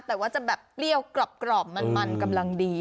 แต่จะเปรี้ยวกรอบมันกำลังดี